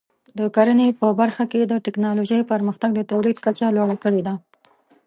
د کرنې په برخه کې د ټکنالوژۍ پرمختګ د تولید کچه لوړه کړې ده.